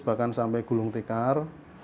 bahkan sampai gulung tikar